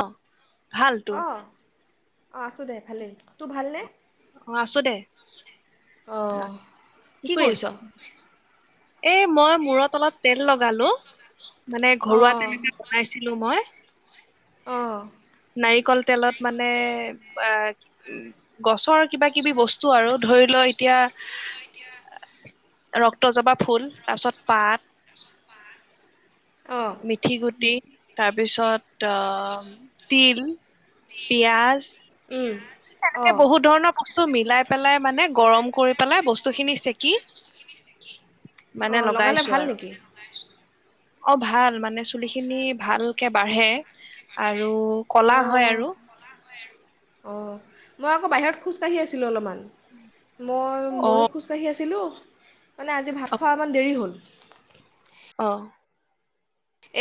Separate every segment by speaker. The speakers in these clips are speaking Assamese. Speaker 1: অ ভাল তোৰ?
Speaker 2: অ আছোঁ দে ভালেই তোৰ ভালনে?
Speaker 1: অ আছোঁ দে অ
Speaker 2: অঁ
Speaker 1: কি কৰি আছ? এই মই মূৰত অলপ তেল লগালো । মানে ঘৰুৱা
Speaker 2: অঁ
Speaker 1: তেনেকে বনাইছিলোঁ মই ।
Speaker 2: অঁ
Speaker 1: নাৰিকল তেলত মানে এ গছৰ কিবা-কিবি বস্তু আৰু ধৰি ল এতিয়া ৰক্ত জপা ফুল তাৰ পিছত পাত
Speaker 2: অঁ
Speaker 1: মিঠি গুটি তাৰপিছত অহ তিল, পিয়াজ
Speaker 2: উম অঁ
Speaker 1: সব মিলাই পেলাই মানে গৰম কৰি পেলাই বস্তু খিনি চেকি মানে
Speaker 2: অ' লগালে
Speaker 1: লগাইছো
Speaker 2: ভাল
Speaker 1: আৰু
Speaker 2: নেকি?
Speaker 1: অ' ভাল মানে চুলি খিনি ভালকে বাঢ়ে আৰু ৰু খলা হয় আৰু
Speaker 2: অ', মই আকৌ বাহিৰত খোজকাঢ়ি আছিলোঁ অলপমান মই
Speaker 1: অ
Speaker 2: ময়ো খোজকাঢ়ি আছিলো । মানে আজি ভাত খোৱা অকণমান দেৰি হ'ল ।
Speaker 1: অহ্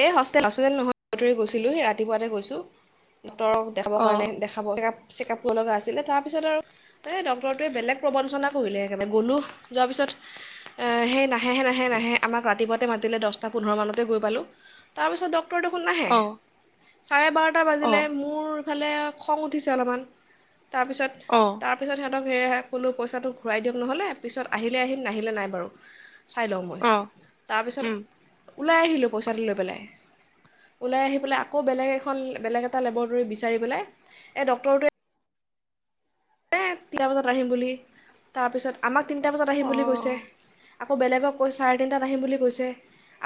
Speaker 2: এ হোষ্টেলত নাছিলো নহয়, সি ৰাতিপুৱাতে গৈছো তহঁতক দেখাবৰ
Speaker 1: অ
Speaker 2: কাৰণেহে দেখাবলে চেকআপ কৰিব লগা আছিলে, তাৰ পিছত আৰু এই ডক্টৰটোৱে বেলেগ প্ৰবঞ্চনা কৰিলে একেবাৰে গ'লোঁ যোৱাৰ পিছত সেই নাহেহে নাহে নাহে আমাক ৰাতিপুৱাতে মাতিলে দছটা পোন্ধৰ মানতে গৈ পালোঁ । তাৰ পিছত ডক উত্তৰ দেখোন নাহে
Speaker 1: অ
Speaker 2: চাৰে বাৰটা
Speaker 1: অ অ
Speaker 2: বাজিলে মোৰ ইফালে খং উঠিছে অলপমান। তাৰ পিছত তাৰ
Speaker 1: অ
Speaker 2: পিছত সিহঁতক সেয়াহে ক'লোঁ পইচাটো ঘূৰাই দিয়ক নহ'লে পিছত আহিলে আহিম নাহিলে নাই বাৰু চাই লওঁ মই
Speaker 1: অ
Speaker 2: তাৰপিছত
Speaker 1: উম
Speaker 2: ওলাই আহিলোঁ । পইচাটো লৈ পেলাই ওলাই আহি পেলাই আকৌ বেলেগ এখন বেলেগ এটা লেবৰেটৰী বিচাৰি পেলাই এই ডক্টৰটোৱে এ তিনিটা বজাত আহিম বুলি তাৰপিছত আমাক তিনিটা বজাত আহিম
Speaker 1: অ
Speaker 2: বুলি কৈছে আকৌ বেলেগক কৈ চাৰে তিনিটাত আহিম বুলি কৈছে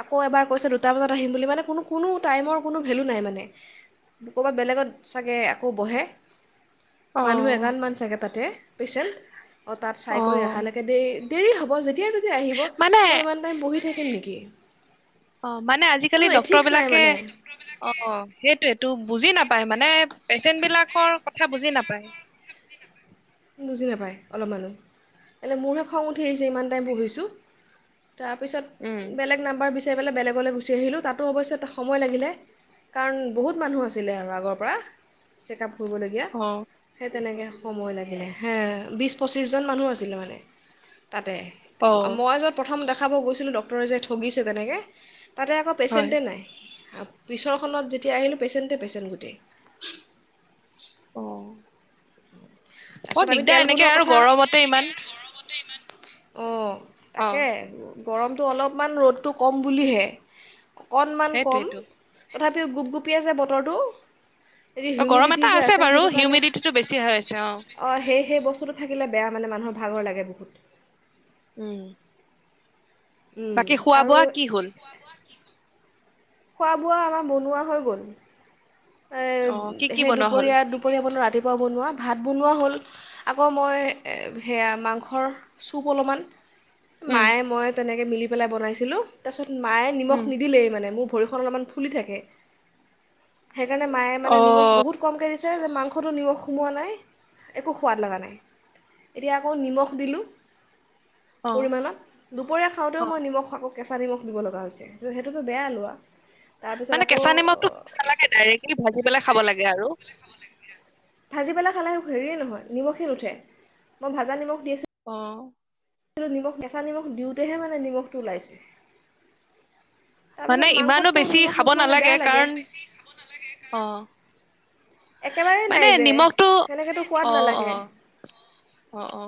Speaker 2: আকৌ এবাৰ কৈছে দুটা বজাত আহিম বুলি মানে কোনো কোনো টাইমৰ কোনো ভেলু নাই মানে ক'ৰবাত বেলেগত চাগে আকৌ বহে
Speaker 1: অ'
Speaker 2: চাগৈ তাতে পেচেণ্ট অ' তাত চাই কৰি অহালৈকে দেই দেৰি হ'ব যেতিয়া। তেতিয়া তেতিয়া আহিব
Speaker 1: মানে
Speaker 2: মই ইমান টাইম বহি থাক খিলকে
Speaker 1: অ' মানে আজিকালি ডক্তৰ বিলাকে অ' সেইটোয়ে টো বুজি নাপায় মানে পেচেন্ট বিলাকৰ কথা বুজি নাপায়।
Speaker 2: বুজি নাপায় অলপমানানুহ এলৈ মোৰহে খং উঠি আহিছে ইমান টাইম পঢ়িছোঁ। তাৰপিছত
Speaker 1: অ
Speaker 2: বেলেগ নাম্বাৰ চাই পেলাই বেলেগলৈ গুচি আহিলোঁ তাতো অৱশ্যে সময় লাগিলে কাৰণ বহুত মানুহ আছিলে আৰু আগৰ পৰা চেকআপ ফুবলগীয়া তেনেকে সময় লাগে। হা বিশ পঁচিছজন মানুহ আছিলে মানে তাতে
Speaker 1: অ
Speaker 2: মই য'ত প্ৰথম দেখ খাব গৈছিলোঁ, ডক্টৰে যে ঠগিছে তেনেকে তাতে আকৌ
Speaker 1: হয়
Speaker 2: পেচেণ্টেই নাই। পিছৰখনত যেতিয়া আহিলোঁ, পেচেণ্টে- পেচেণ্ট গোটেই
Speaker 1: অহ, অ,
Speaker 2: তাৰপিছত আমি
Speaker 1: দিগদাৰ এনেকে আৰু গৰমতে ইমান
Speaker 2: অ,
Speaker 1: অ
Speaker 2: তাকে আৰু গৰমটো অলপমান, ৰ'দটো কম বুলিহে অকণমান কম
Speaker 1: সেইটোয়েটো
Speaker 2: তথাপিও, গোপ-গোপি আছে বতৰটো এই
Speaker 1: অ গৰম
Speaker 2: হিউমিডিটি
Speaker 1: এটা
Speaker 2: যে
Speaker 1: আছে বাৰু, হিউমিডিটিটো বেছি হৈ আছে। অ
Speaker 2: সেই-সেই, বস্তুটো থাকিলে বেয়া মানে মানুহৰ ভাগৰ লাগে বহুত।
Speaker 1: উম,
Speaker 2: উম,
Speaker 1: বাকী খোৱা
Speaker 2: আৰু
Speaker 1: বোৱা কি হল?
Speaker 2: খোৱা বোৱা আমাৰ বনোৱা হৈ গ'ল।
Speaker 1: অ কি কি
Speaker 2: সেই
Speaker 1: বনোৱা হ'ল
Speaker 2: দুপৰীয়া-দুপৰীয়া বনোৱা ৰাতি বনোৱা, ভাত বনোৱা হ'ল, আকৌ মই সেয়া মাংসৰ চুপ অলপমান
Speaker 1: উম
Speaker 2: মায়ে মইয়ে তেনেকে মিলি পেলাই বনাইছিলো, তাৰ পিছত মায়ে নিমখ
Speaker 1: উম
Speaker 2: নিদিলে, মানে মোৰ ভৰিখন অলপমান ফুলি থাকে। সেইকাৰণে, মায়ে
Speaker 1: অ
Speaker 2: মানে নিমখ বহুত কমকে দি মাংসটো নিমখ সোমোৱা নাই, একো সোৱাদ লগা নাই, এতিয়া আকৌ নিমখ দিলোঁ।
Speaker 1: অ
Speaker 2: পৰিমাণত, দুপৰীয়া খাওঁতেও
Speaker 1: অ
Speaker 2: মই নিমখ আকৌ কেঁচা নিমখ দিব লগা হৈছে, কি সেইটোতো বেয়া লোৱা তাৰপিছত
Speaker 1: মানে
Speaker 2: আকৌ
Speaker 1: কেঁচা নিমখটো খাব নালাগে ডাইৰেক্টলি ভাজি পেলাই খাব লাগে আৰু
Speaker 2: ভাজি পেলাই খালে হেৰিয়ে নহয় নিমখে হে নুঠে, মই ভাজা নিমখ দি
Speaker 1: অ
Speaker 2: নিমখ, কেঁচা নিমখ দিওঁতেহে মানে নিমখটো ওলাইছে।
Speaker 1: মানে
Speaker 2: তাৰপিছত
Speaker 1: ইমানো
Speaker 2: মাংসতটো
Speaker 1: বেছি
Speaker 2: নিমখ
Speaker 1: খাব
Speaker 2: নোসোমালে
Speaker 1: নালাগে,
Speaker 2: বেয়া লাগে
Speaker 1: কাৰণ অ,
Speaker 2: একেবাৰেই নাই
Speaker 1: মানে
Speaker 2: যে
Speaker 1: নিমখটো
Speaker 2: সেনেকৈতো সোৱাদ নালাগে
Speaker 1: অ-অ-অ-অ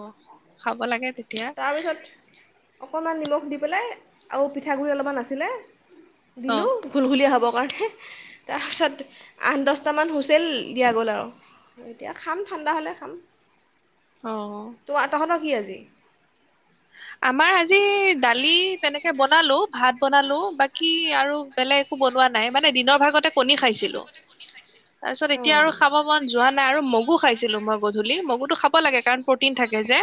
Speaker 1: খাব লাগে তে এতিয়া
Speaker 2: তাৰপিছত অকণমান নিমখ দি পেলাই আৰু পিঠাগুড়ি অলপমান আছিলে,
Speaker 1: অ
Speaker 2: দিলো ঘুলঘুলিয়া হ'ব। তাৰপিছত আঠ-দহটামান হুইচেল দিয়া গ'ল আৰু এতিয়া খাম ঠাণ্ডা হ'লে খাম।
Speaker 1: অ'।
Speaker 2: তোমাৰ তহঁতৰ কি আজি?
Speaker 1: আমাৰ আজি দালি তেনেকে বনালো, ভাত বনালো, বাকি আৰু বেলেগ একো বনোৱা নাই মানে দিনৰ ভাগতে কণী খাইছিলো। তাৰপিছত এতিয়া
Speaker 2: অঁ
Speaker 1: আৰু খাব মন যোৱা নাই আৰু মগু খাইছিলো মই গধূলি। মগুটো খাব লাগে, কাৰণ প্ৰটিন থাকে যে।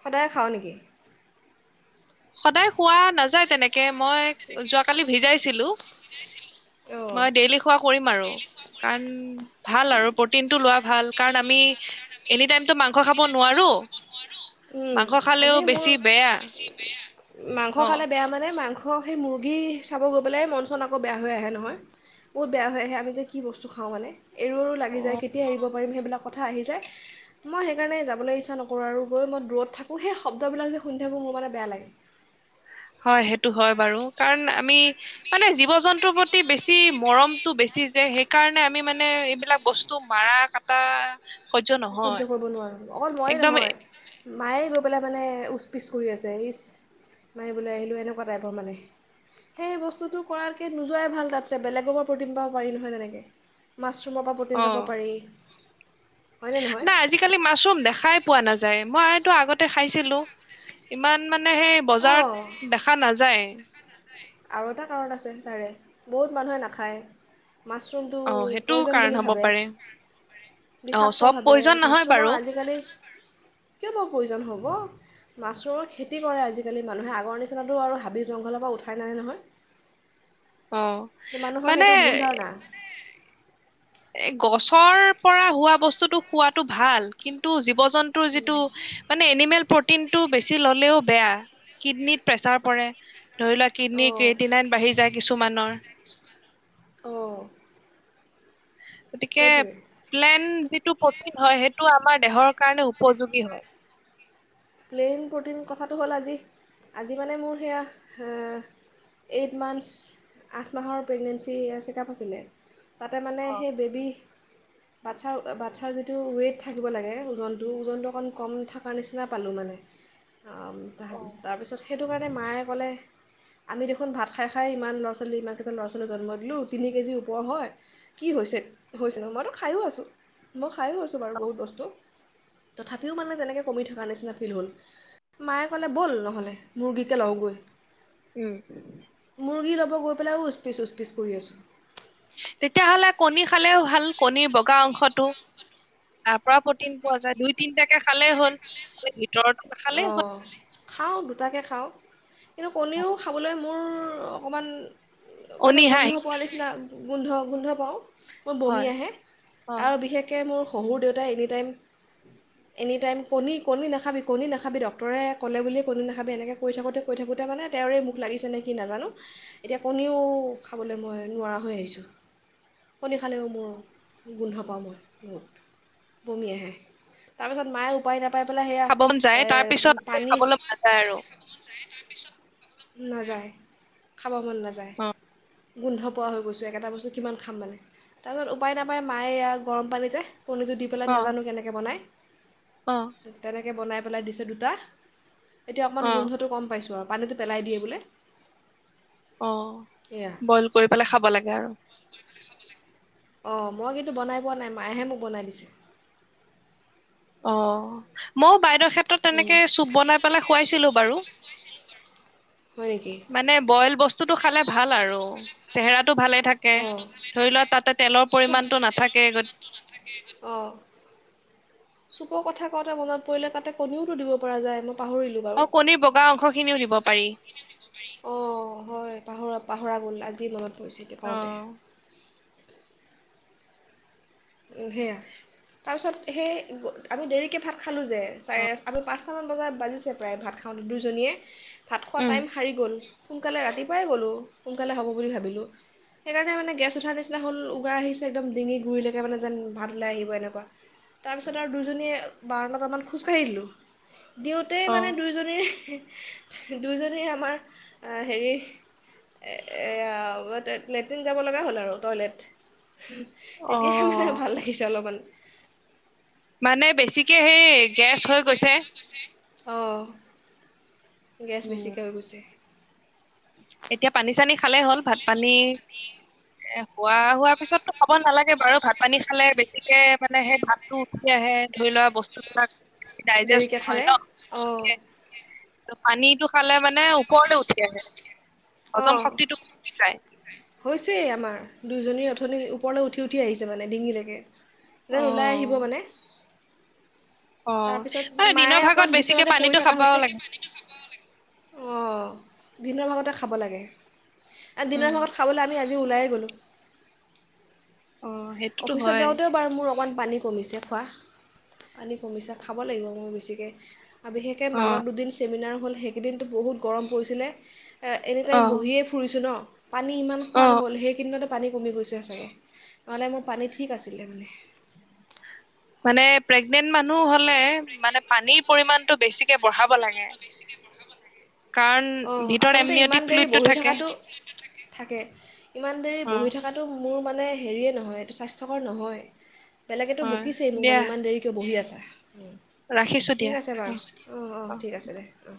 Speaker 2: সদায় খাৱ নেকি?
Speaker 1: সদায় খোৱা নাযায় তেনেকে মই, যোৱাকালি ভিজাইছিলো
Speaker 2: অঁ
Speaker 1: মই ডেইলি খোৱা কৰিম আৰু, কাৰণ ভাল আৰু প্ৰটিনটো লোৱা ভাল। কাৰণ, আমি এনি টাইমতটো মাংস মাংস খাব নোৱাৰো।
Speaker 2: উম,
Speaker 1: মাংস
Speaker 2: আজি
Speaker 1: খালেও
Speaker 2: মোৰ
Speaker 1: বেছি বেয়া
Speaker 2: মাংস
Speaker 1: অ
Speaker 2: খালে বেয়া মানে এই মাংস সেই মুৰ্গী চাব গৈ পেলাই মন-চন আকৌ বেয়া হৈ আহে নহয়। বহুত বেয়া হৈ আহে আমি যে কি বস্তু খাওঁ মানে। এৰো-এৰো
Speaker 1: অ
Speaker 2: লাগি যায়, কেতিয়া এৰিব সেইবিলাক কথা আহি যায়। মই সেইকাৰণে যাবলৈ ইচ্ছা নকৰোঁ আৰু গৈ মই দূৰত থাকোঁ, সেই শব্দবিলাক যে শুনি থাকোঁ মোৰ মানে বেয়া লাগে।
Speaker 1: হয় সেইটো হয় বাৰু। কাৰণ আমি মানে জীৱ-জন্তুৰ প্ৰতি বেছি মৰমটো বেছি যে, সেইকাৰণে আমি মানে এইবিলাক বস্তু মাৰা-কাটা
Speaker 2: সহ্য কৰিব নোৱাৰোঁ। অকল ময়ে
Speaker 1: একদম
Speaker 2: নহয়,
Speaker 1: এ-
Speaker 2: মায়ে গৈ পেলাই মানে উচ-পিচ কৰি আছে, ইচ মাৰিবলৈ আহিলোঁ এনেকুৱা টাইপৰ মানে। সেই বস্তুটো কৰাতকৈ নোযোৱাই ভাল তাতছে, বেলেগৰ পৰা প্ৰটিন পাব পাৰি নহয় তেনেকে। মাছৰুমৰ পৰা প্ৰটিন
Speaker 1: অ
Speaker 2: পাব পাৰি। হয়নে নহয়
Speaker 1: নাই আজিকালি মাছৰুম দেখাই পোৱা নাযায়। মই টো আগতে খাইছিলো। ইমান মানে মানে সেই
Speaker 2: অঁ
Speaker 1: বজাৰত দেখা নাযায়।
Speaker 2: আৰু এটা কাৰণ আছে তাৰে, বহুত মানুহে নাখায়। মাচৰুমটো
Speaker 1: অ সেইটো
Speaker 2: পইজন বুলি
Speaker 1: কাৰণ হ'ব
Speaker 2: ভাবে,
Speaker 1: পাৰে অ
Speaker 2: বিষাক্ত
Speaker 1: চব
Speaker 2: ভাবে।
Speaker 1: প্ৰয়োজন নহয়
Speaker 2: মাছৰুমৰ
Speaker 1: বাৰু
Speaker 2: আজিকালি, কিয় বা পইজন হ'ব! অঁ, মা মাচৰুমৰ‌ খেতি কৰে আজিকালি। মানুহে আগৰ নিচিনাতো আৰু হাবি-জংঘলৰ পৰা উঠাই [unintelligible] নহয়
Speaker 1: অ',
Speaker 2: মানুহৰ
Speaker 1: মানে
Speaker 2: সেইটো ভুল ধাৰণা
Speaker 1: এ গছৰ পৰা হোৱা বস্তুটো খোৱাতো ভাল, কিন্তু জন্তুৰ যিটো, মানে এনিমেল প্ৰ প্ৰটিনটো বেছি ল'লেও বেয়া, কিডনীত প্ৰেচাৰ পৰে। ধৰি লোৱা কিডনী
Speaker 2: অঁ
Speaker 1: ক্ৰেটিনাইন বাঢ়ি যায় কিছুমানৰ।
Speaker 2: অ'।
Speaker 1: গতিকে প্লেন্ট যিটো প্ৰ হয় সেইটো আমাৰ দেহৰ কাৰণে উপযোগী হয়।
Speaker 2: প্লেন্ট প্ৰটিন কথাটো হ'ল আজি, আজি মানে মোৰ সেয়া, এইট মান্থছ, আঠ মাহৰ প্ৰেগনেঞ্চি চেকআপ আছিলে। তাতে মানে
Speaker 1: অ
Speaker 2: সেই বেবী বাচ্ছাৰ, বাচ্ছাৰ যিটো ৱেইট থাকিব লাগে ওজনটো ওজনটো অকণ কম থকাৰ নিচিনা পালো মানে,
Speaker 1: অ
Speaker 2: তাৰপিছত সেইটো মানে‌ মায়ে ক'লে, আমি দেখোন ভাত খাই খায়ে ইমান‌ ল'ৰা ছোৱালী, ইমানকেইটা ল'ৰা ছোৱালী জন্ম দিলোঁ, তিনি কে‌ জি ওপৰ‌ হয়, কি হৈছে মানে? মই তো খাইয়ে আছোঁ। খাইও আছোঁ বাৰু বহুত বস্তু তথাপিও মানে তেনেকে কমি থাকে, [unintelligible] মায়ে ক'লে ব'ল নহ'লে [unintelligible]
Speaker 1: উম
Speaker 2: গৈ পেলাইও উচপিচ উচপিচ কৰি আছোঁ।
Speaker 1: তেতিয়াাহ'লে কণী খালেও ভাল, কণীৰ বগা অংশতটো, তাৰ পৰা প্ৰটিন পোৱা যায়। দুই তিনিটাকে খালেই হ'ল। ভিতৰতো নাখালেই হ'ল
Speaker 2: অ' খাওঁ, ‌ দুটাকে খাওঁ। কিন্তু কণীও খাবলৈ মোৰ অকমান মানে
Speaker 1: অনীহা
Speaker 2: গোন্ধ
Speaker 1: আহি
Speaker 2: পোৱ নিচিনা গোন্ধ গোন্ধ পাওঁ। মোৰ বমি
Speaker 1: হয়
Speaker 2: আহে,
Speaker 1: অ
Speaker 2: আৰু বিশেষকৈ মোৰ শহুৰ দেউতাই এনি টাইম, এনি টাইম, কণী, কণী নাখাবি কণী নাখাবি, ডক্টৰে ক'লে বুলিয়ে কণী নাখাবি। এনেকৈ কৈ থাকোঁতে, কৈ থাকোঁতে মানে তেওঁৰে মুখ লাগিছে নে কি নাজানো, এতিয়া কণীও খাবলৈ মই নোৱাৰা হৈ আহিছোঁ, কণী খালেও মই গোন্ধ পাওঁ মই, বহুত বমিহে তাৰপিছত মায়ে উপায় নাপ পাই পেলায় সেয়া
Speaker 1: খাব মন তাৰ পিছত একো খাবলৈ মন নাযায় আৰু
Speaker 2: নাযায়, খাব মন নযায়
Speaker 1: অ
Speaker 2: গোন্ধ পোৱা হৈ গৈছোঁ একেটা বস্তু কিমান খাম মানে, তাৰপিছত উপায়-নাপায় মায়ে গৰম পানীতে কণীযোৰ দি পেলাই
Speaker 1: অ
Speaker 2: নাজানো কেনেকৈ বনায়,
Speaker 1: অ
Speaker 2: তে-তেনে বনাই, পেলাই দিছে দুটা, এতিয়া অকমান
Speaker 1: অ
Speaker 2: গোন্ধটো কম পাইছোঁ আৱ, পানীটো পেলাই দিয়ে বোলে,
Speaker 1: অ
Speaker 2: এয়া
Speaker 1: বয়েল কৰি পেলাই খাব লাগে আৰু,
Speaker 2: অ', মই কিন্তু বনাই পোৱা নাই, মায়েহে মোক বনাই দিছে।
Speaker 1: অহ মও বাইত বাইদেউৰ ক্ষেত্ৰত
Speaker 2: উম,
Speaker 1: তেনেকে চুপ বনাই পেলাই খোৱাইছিলো বাৰু,
Speaker 2: হয় নেকি
Speaker 1: মানে বয়েল বস্তুটো খালে ভাল আৰু, চেহেৰাত, ভালে থাকে
Speaker 2: অঁ
Speaker 1: ধৰি লোৱা তাতে তেলৰ
Speaker 2: চুপ
Speaker 1: পৰিমাণ টো নাথাকে, গতি
Speaker 2: অঁ চুপৰ কথা কওঁতে মনত পৰিলে, তাতে কণীওতো দিব পৰা যায়। পাহৰিলোঁ বাৰু
Speaker 1: অ', কণীৰ বগা অংশ খিনিও দিব পাৰি।
Speaker 2: অ', হয় পাহৰা-পাহৰা গ'ল আজি মনত, পৰিছিলে
Speaker 1: অ
Speaker 2: কওঁতে, সেয়া তাৰপিছত সেই আমি দেৰিকে ভাত খালোঁ যে চাৰে আমি পাঁচটামান বজাত বাজিছে প্ৰায় ভাত খাওঁতে দুইজনীয়ে ভাত খোৱা
Speaker 1: উম।
Speaker 2: টাইম সাৰি গ'ল সোনকালে ৰাতিপুৱাই গ'লোঁ। সোনকালে হ'ব বুলি ভাবিলোঁ, সেইকাৰণে মানে গেছ উঠাৰ নিচনা হ'ল উগাৰ আহিছে একদম ডিঙি গুৰিলে মানে যেন ভাত ওলাই আহিব এনেকুৱা তাৰপিছত আৰু দুইজনীয়ে বাৰণটামান খোজকাঢ়িলোঁ। দিওঁতেই
Speaker 1: অ
Speaker 2: মানে দুয়োজনীৰ, দুইজনী আমাৰ হেৰি, এয়া', লেট্ৰিন যাব লগা হ'ল আৰু টয়লেট।
Speaker 1: অ
Speaker 2: তেতিয়াহে মানে ভাল লাগিছে অলমান,
Speaker 1: মানে বেছিকে সেই গেছ হৈ গৈছে। [inaudible]
Speaker 2: অহ গেছ
Speaker 1: উম।
Speaker 2: বেছিকে হৈ গৈছে।
Speaker 1: এতিয়া পানী- চানী খালে হ'ল ভাত- পানী এ খোৱা হোৱাৰ পিছতো খাব নালাগে বাৰু ভাত -পানী খালে বেছিকে মানে সেই ভাতটো উঠি আহে ধৰি লোৱা বস্তু বিলাক ডাইজেষ্ট
Speaker 2: দেৰিকৈ
Speaker 1: নহয়
Speaker 2: খালে
Speaker 1: ন',
Speaker 2: অঁ
Speaker 1: পানীটো খালে মানে ওপৰলে উঠি আহে।
Speaker 2: অ ওজন শক্তিটো কমি যায় হৈছে আমাৰ দুয়োজনী নিৰ ওপৰলে উঠি উঠি আহিছে মানে ডিঙিলেকে
Speaker 1: অ।
Speaker 2: যেন ওলাই আহিব মানে
Speaker 1: অ
Speaker 2: তাৰপিছত
Speaker 1: মানে
Speaker 2: মায়ে
Speaker 1: দিনৰ
Speaker 2: অকণ
Speaker 1: ভাগত বেছিকে
Speaker 2: বিচনাতে পৰি
Speaker 1: পানীটো
Speaker 2: থকা
Speaker 1: খাব
Speaker 2: হৈছে
Speaker 1: লাগে।
Speaker 2: অ। বিভিন্ন ভাগতে খাব লাগে আ দিনৰ
Speaker 1: উম।
Speaker 2: ভাগত খাবলে আমি আজি আমি ওলাই গ'লো।
Speaker 1: অ সেইটোতো
Speaker 2: অফিচত
Speaker 1: হয়
Speaker 2: যাওঁতেও বাৰু মোৰ অকমান পানী কমিছে খোৱা পানী কমিছে খাব লাগিব মই বেছিকে । আৰু বিশেষকৈ
Speaker 1: অ
Speaker 2: মাজত দুদিন চেমিনাৰ হ'ল সেইকেইদিনটো বহুত গৰম পৰিছিলে
Speaker 1: অ
Speaker 2: এনিটাইম বহিয়ে ফুৰিছোঁ ন পানী ইমান খোৱা
Speaker 1: অ
Speaker 2: নহ'ল সেই কেইদিনতে পানী কমি গৈছে চাগে নহ'লে মোৰ পানী ঠিক আছিলে মানে
Speaker 1: মানে প্ৰেগনেণ্ট মানুহ হলে মানে পানীৰ পৰিমাণ টো বেছিকে বঢ়াব লাগে। কাৰণ
Speaker 2: অঁ
Speaker 1: ভিতৰত
Speaker 2: আচলতে ইমান
Speaker 1: এমনিয়টিক
Speaker 2: দেৰি
Speaker 1: ফ্লুইডটো
Speaker 2: বহি থকা
Speaker 1: থাকে
Speaker 2: থাকে ইমান দেৰি
Speaker 1: অ
Speaker 2: বহি থকাটো মোৰ মানে হেৰিয়ে নহয় এইটো স্বাস্থ্যকৰ নহয় বেলেতো
Speaker 1: হয়
Speaker 2: বকিছে মোক
Speaker 1: দিয়া
Speaker 2: মানে ইমান দেৰি কিয় বহি আছা
Speaker 1: ৰাখিছো
Speaker 2: ঠিক
Speaker 1: দিয়া
Speaker 2: আছে
Speaker 1: অ
Speaker 2: বাৰু অঁ অঁ
Speaker 1: অ
Speaker 2: ঠিক আছে দে অঁ